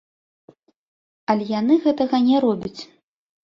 Але яны гэтага не робяць.